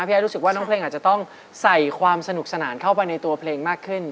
ไอ้รู้สึกว่าน้องเพลงอาจจะต้องใส่ความสนุกสนานเข้าไปในตัวเพลงมากขึ้น